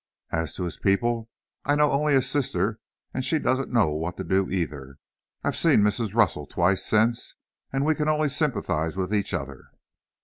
As to his people, I know only his sister, and she doesn't know what to do either. I've seen Mrs. Russell twice since, and we can only sympathize with each other."